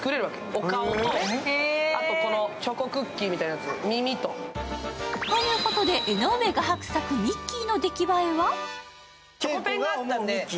お顔と、あとチョコクッキーみたいなやつで耳と。ということで、江上画伯作ミッキーの出来栄えは？